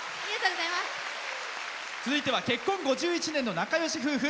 続いては結婚５１年の仲よし夫婦。